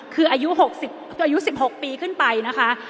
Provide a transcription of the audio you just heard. คืออายุ๑๖ปีขึ้นไปนะคะ